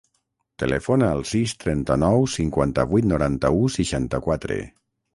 Telefona al sis, trenta-nou, cinquanta-vuit, noranta-u, seixanta-quatre.